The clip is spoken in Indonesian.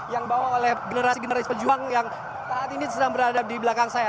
yang bawa oleh generasi generasi pejuang yang saat ini sedang berada di belakang saya